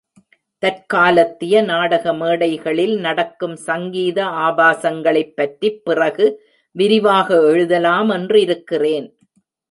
தற்காலத்திய நாடக மேடைகளில் நடக்கும் சங்கீத ஆபாசங்களைப் பற்றிப் பிறகு விரிவாக எழுதலாமென்றிருக்கின்றேன்.